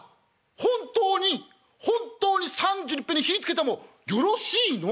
本当に本当に３２いっぺんに火ぃつけてもよろしいの？